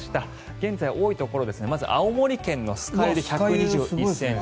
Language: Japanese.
現在、多いところで青森県の酸ケ湯で１２１ｃｍ